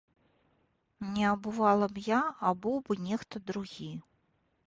Не абувала б я, абуў бы нехта другі.